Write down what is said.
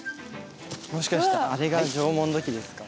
もしかしてあれが縄文土器ですか？